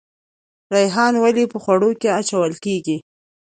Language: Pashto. ریحان ولې په خوړو کې اچول کیږي؟